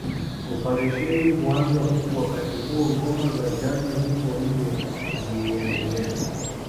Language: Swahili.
Operesheni huanza huku wakati huo ngoma za jadi huko nje ziiendelea